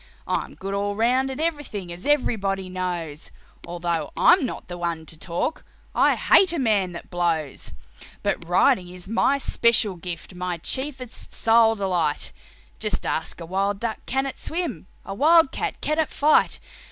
I'm good all round at everything, as everybody knows, Although I'm not the one to talk I hate a man that blows. "But riding is my special gift, my chiefest, sole delight; Just ask a wild duck can it swim, a wild cat can it fight.